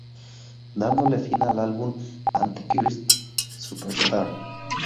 Dándole fin al álbum "Antichrist superstar".